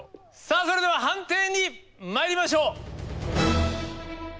さあそれでは判定にまいりましょう。